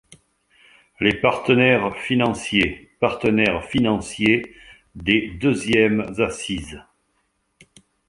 Les partenaires financiers Partenaires financiers des deuxièmes Assises.